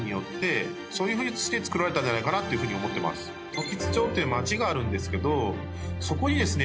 時津町っていう町があるんですけどそこにですね